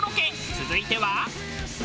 続いては。